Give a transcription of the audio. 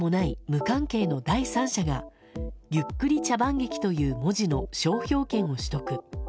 無関係の第三者がゆっくり茶番劇という文字の商標権を取得。